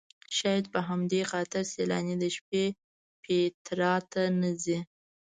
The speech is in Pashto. شاید په همدې خاطر سیلاني د شپې پیترا ته نه ځي.